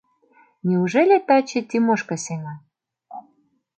Неужели таче Тимошка сеҥа?